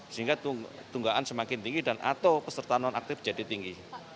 sehingga tunggaan semakin tinggi dan atau peserta non aktif jadi tinggi